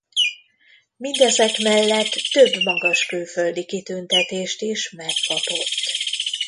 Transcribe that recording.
Mindezek mellett több magas külföldi kitüntetést is megkapott.